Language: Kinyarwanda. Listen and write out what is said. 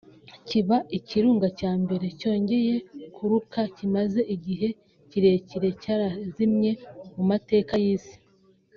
kiba ikirunga cya mbere cyongeye kuruka kimaze igihe kirekire cyarazimye mu mateka y’isi